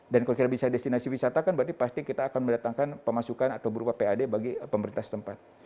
dan kalau kita bisa destinasi wisata kan berarti pasti kita akan mendatangkan pemasukan atau berupa pad bagi pemerintah setempat